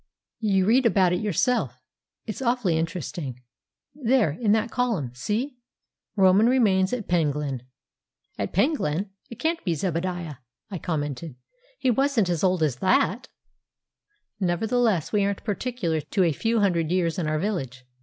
"You read about it yourself; it's awfully interesting. There; in that column—see? 'Roman Remains at Penglyn.'" "At Penglyn? It can't be Zebadiah," I commented; "he wasn't as old as that!" Nevertheless, we aren't particular to a few hundred years in our village.